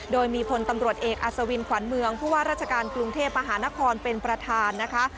โดยมีพลตำรวจเอกอัศวินขวัญเมืองผู้ว่าราชการกรุงเทพมหานครเป็นประธานนะคะ